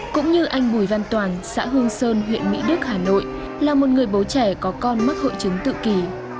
cũng như anh bùi văn toàn xã hương sơn huyện mỹ đức hà nội là một người bố trẻ có con mắc hội chứng tự kỷ